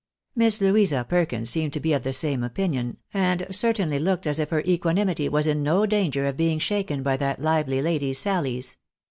Miss Louisa Perkins seemed to be of the same opinion, and cer tainly looked as if her equanimity was in no danger of being shaken by that lively lady's sallies.